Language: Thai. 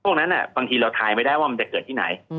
พวกนั้นบางทีเราทายไม่ได้ว่ามันจะเกิดที่ไหน